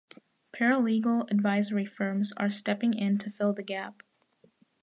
Paralegal advisory firms are stepping in to fill the gap.